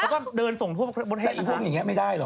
แล้วก็เดินส่งพวกเขามาเท่านั้นหรอคะแต่อีกพวกอย่างนี้ไม่ได้หรอก